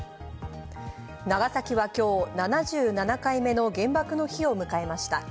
長崎は今日７７回目の原爆の日を迎えました。